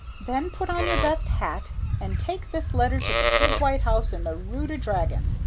Then put on your best hat and take this letter to the big white house in the Rue de Dragon.